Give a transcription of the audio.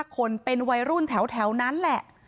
คนเป็นวัยรุ่นแถวนั้นแหละ